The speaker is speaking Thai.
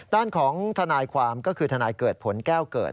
ด้านของทนายความก็คือทนายเกิดผลแก้วเกิด